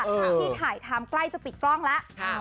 ที่ถ่ายทำใกล้จะปิดกล้องแล้ว